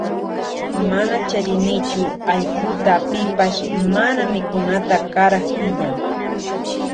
Mana charinichu allkuta pipash mana mikunata karak illan.